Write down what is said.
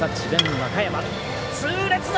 和歌山。